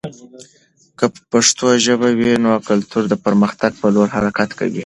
که پښتو ژبه وي، نو کلتور د پرمختګ په لور حرکت کوي.